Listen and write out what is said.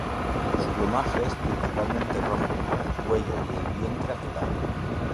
Su plumaje es principalmente rojo, con el cuello y el vientre azulado.